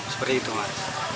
seperti itu mas